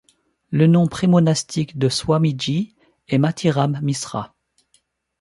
Le nom pré-monastique de Swamiji est Matiram Misra.